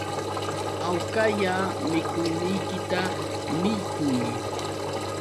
Hawkalla mikuyniykita millpuy